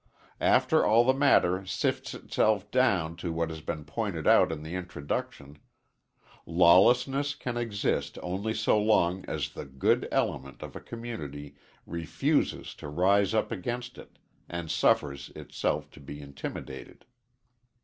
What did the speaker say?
After all the matter sifts itself down to what has been pointed out in the introduction: Lawlessness can exist only so long as the good element of a community refuses to rise up against it, and suffers itself to be intimidated.